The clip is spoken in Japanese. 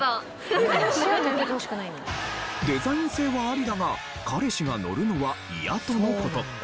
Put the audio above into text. デザイン性はアリだが彼氏が乗るのは嫌との事。